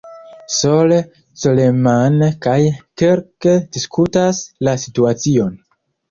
Sole, Coleman kaj "Kirk" diskutas la situacion.